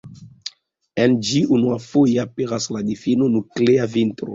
En ĝi unuafoje aperas la difino Nuklea Vintro.